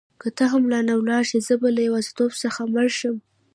که ته هم رانه ولاړه شې زه به له یوازیتوب څخه مړ شم.